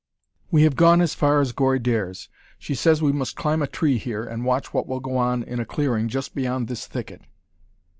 "We have gone as far as Gori dares! She says we must climb a tree here, and watch what will go on in a clearing just beyond this thicket."